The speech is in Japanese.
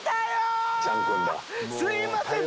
すいません。